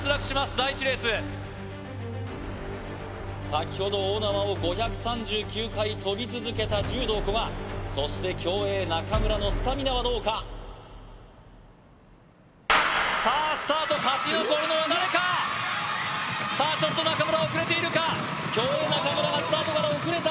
第１レース先ほど大縄を５３９回跳び続けた柔道・古賀そして競泳・中村のスタミナはどうかさあスタート勝ち残るのは誰かさあちょっと中村遅れているか競泳・中村がスタートから遅れた